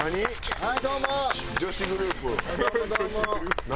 はい。